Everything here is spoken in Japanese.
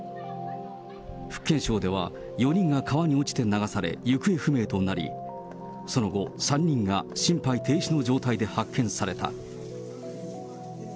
福建省では、４人が川に落ちて流され、行方不明となり、その後、３人が心肺停止の状態で発見された。